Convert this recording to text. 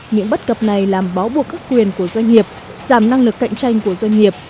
những bất cập này làm bó buộc các quyền của doanh nghiệp giảm năng lực cạnh tranh của doanh nghiệp